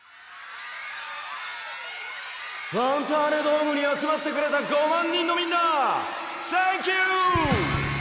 ファンターネドームにあつまってくれた５まんにんのみんなサンキュー！